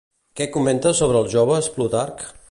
Què comenta sobre els joves Plutarc?